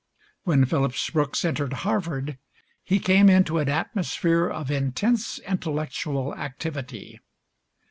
When Phillips Brooks entered Harvard, he came into an atmosphere of intense intellectual activity.